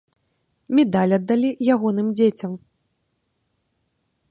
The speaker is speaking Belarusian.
Медаль аддалі ягоным дзецям.